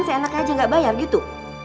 se enak aja gak bayar gitu